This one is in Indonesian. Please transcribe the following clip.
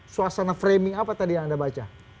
suasana framing apa tadi yang anda baca